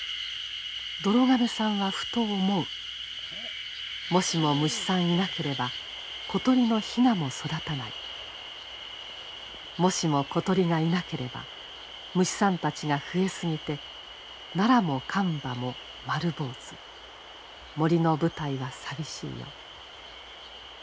「どろ亀さんはふと思うもしも虫さんいなければ小鳥のヒナも育たないもしも小鳥がいなければ虫さんたちが増え過ぎてナラもカンバも丸坊主森の舞台は寂しいよ」。